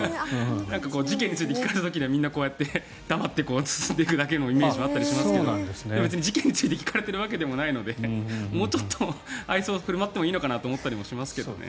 事件について聞かれた時はみんな黙って進んでいくだけのイメージはあったりしますけど別に事件について聞かれているわけではないのでもうちょっと愛想を振る舞ってもいいのかなと思いますけどね。